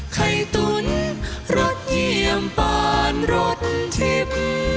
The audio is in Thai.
ไข่ตุ๋นรสเยี่ยมปอนรถทิพย์